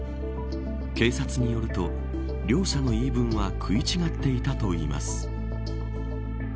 警察によると両者の言い分は食い違っていたといいます。